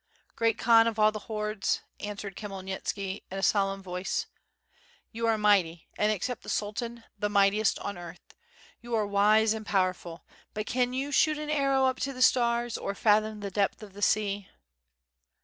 "Great Khan of all the hordes," answered Khmyelnitslci, in a solemn voice, "you are mighty, and except the Sultan, the mightiest on earth; you are wise and powerful, but caa you shoot an arrow up to the stars, or fathom the depth of the sea?"